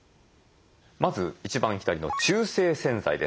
まず一番左の中性洗剤です。